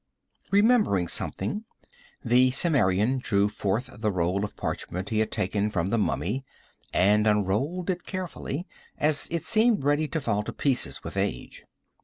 Remembering something, the Cimmerian drew forth the roll of parchment he had taken from the mummy and unrolled it carefully, as it seemed ready to fall to pieces with age.